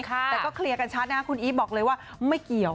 แต่ก็เคลียร์กันชัดนะคุณอีฟบอกเลยว่าไม่เกี่ยว